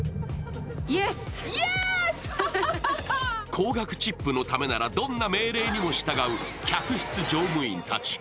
高額チップのためならどんな命令にも従う客室乗務員たち。